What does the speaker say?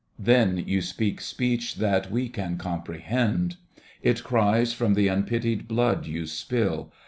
Then you speak speech that we can comprehend. It cries from the unpitied blood you spill.